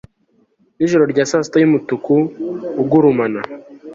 Nijoro rya sasita yumutuku ugurumana